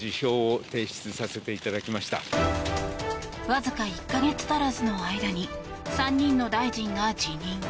わずか１か月足らずの間に３人の大臣が辞任。